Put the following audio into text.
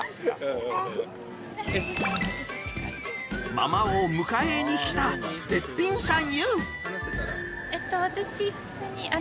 ママを迎えに来たべっぴんさん